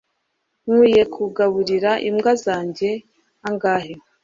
nkwiye kugaburira imbwa zanjye angahe